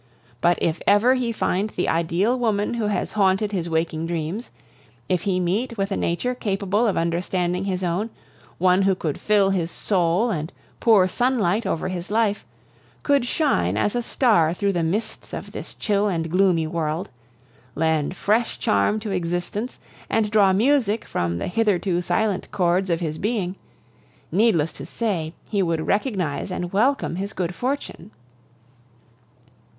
But if ever he find the ideal woman who has haunted his waking dreams, if he meet with a nature capable of understanding his own, one who could fill his soul and pour sunlight over his life, could shine as a star through the mists of this chill and gloomy world, lend fresh charm to existence, and draw music from the hitherto silent chords of his being needless to say, he would recognize and welcome his good fortune.